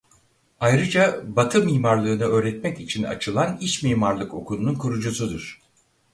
Ayrıca batı mimarlığını öğretmek için açılan iç mimarlık okulunun kurucusudur.